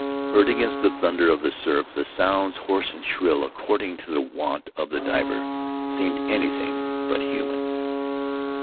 Heard against the thunder of the surf, the sounds, hoarse or shrill, according to the wont of the diver, seemed anything but human.